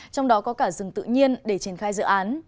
trong đó có cả rừng tự nhiên để triển khai dự án